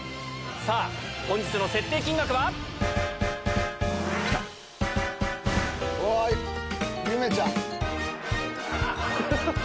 さぁ本日の設定金額は？ゆめちゃん！